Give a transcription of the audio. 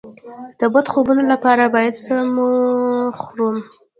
د بد خوبونو لپاره باید څه مه خورم؟